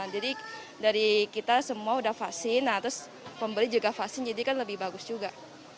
jadi dari kita semua sudah vaksin nah terus pembeli juga vaksin jadi kan lebih bagus juga